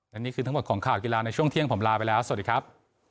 และนี่คือทั้งหมดของข่าวกีฬาในช่วงเที่ยงผมลาไปแล้วสวัสดีครับ